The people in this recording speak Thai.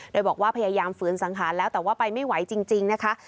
โดยบอกว่าพยายามฝืนสังหารแล้วแต่ว่าไปไม่ไหวจริงนะคะ